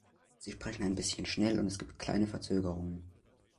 Sie sprechen ein bisschen schnell, und es gibt kleine Verzögerungen.